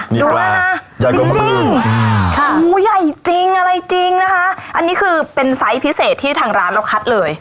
ดูไหมคะใหญ่จริงหมูใหญ่จริงอะไรจริงนะคะอันนี้คือเป็นไซส์พิเศษที่ทางร้านเราคัดเลย